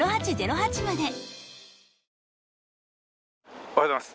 おはようございます。